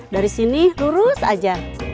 dari sini lurus aja